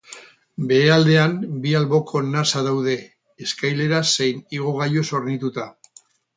Behealdean bi alboko nasa daude, eskaileraz zein igogailuz hornituta.